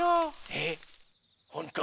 えっほんと？